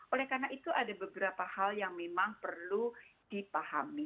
oleh karena itu ada beberapa hal yang memang perlu dipahami